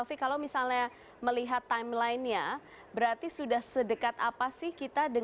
ini memang yang untuk saya jelaskan